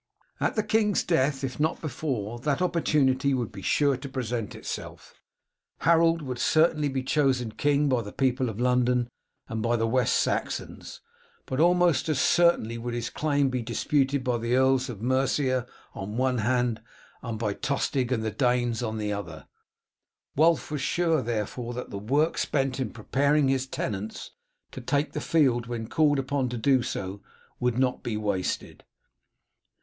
At the king's death, if not before, that opportunity would be sure to present itself. Harold would be certainly chosen king by the people of London and by the West Saxons, but almost as certainly would his claim be disputed by the earls of Mercia on one hand, and by Tostig and the Danes on the other. Wulf was sure, therefore, that the work spent in preparing his tenants to take the field when called upon to do so, would not be wasted.